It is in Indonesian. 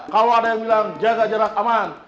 kalau ada yang bilang jaga jarak aman